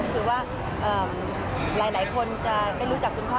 คือว่าหลายคนจะได้รู้จักคุณพ่อ